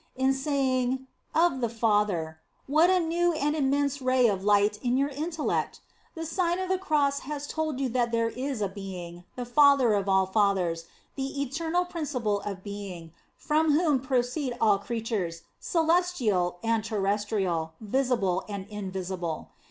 In saying, of the Father, what a new and immense ray of light in your intellect ! The Sion of the Cross has told you that there is a Being, the Father of all fathers, the Eternal Principle of being, from whom proceed all creatures, celestial and terrestrial, visible and invisible.